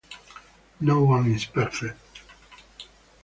No one is perfect.